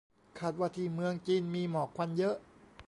คาดว่าที่เมืองจีนมีหมอกควันเยอะ